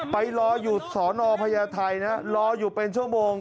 ไปรออยู่สอนอพญาไทยนะรออยู่เป็นชั่วโมง